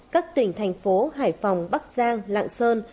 các tỉnh thành phố hải phòng bắc giang lạng sơn